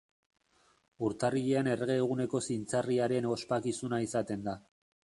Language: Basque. Urtarrilean errege eguneko zintzarriaren ospakizuna izaten da.